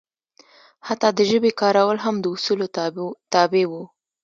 حتی د ژبې کارول هم د اصولو تابع وو.